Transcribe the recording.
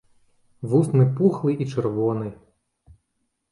Вусны пухлы і чырвоны.